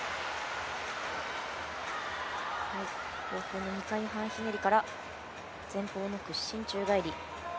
後方の２回半ひねりから前方の屈身宙返り。